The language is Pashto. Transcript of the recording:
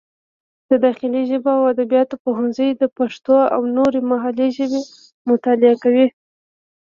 د داخلي ژبو او ادبیاتو پوهنځی د پښتو او نورې محلي ژبې مطالعه کوي.